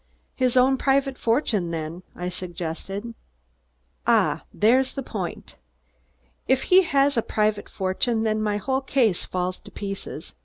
"His own private fortune then," I suggested. "Ah! There's the point! If he has a private fortune, then my whole case falls to pieces.